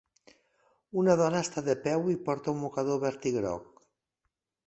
Una dona està de peu i porta un mocador verd i groc.